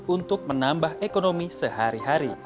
untuk menambah ekonomi sehari hari